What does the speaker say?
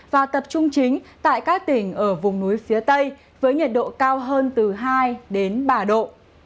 và tập trung chính tại các tỉnh ở vùng núi phía tây với nhiệt độ cao hơn từ hai đến ba độ